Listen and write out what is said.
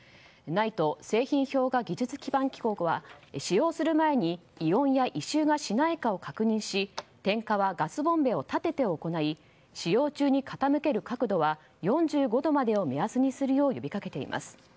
ＮＩＴＥ・製品評価技術基盤機構は使用する前に異音や異臭がしないかを確認し点火はガスボンベを立てて行い使用中に傾ける角度は４５度までを目安にするよう呼びかけています。